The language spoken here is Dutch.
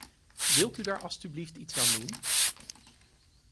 Wilt u daar alstublieft iets aan doen?